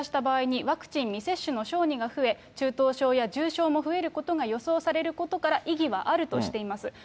感染者が増加した場合にワクチン未接種の状況が増え、重症も増えることが予想されることから、意義はあるとしています。